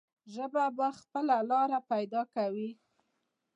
ژبه به خپله لاره پیدا کوي.